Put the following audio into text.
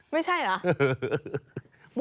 ไม่ใช่เหรอ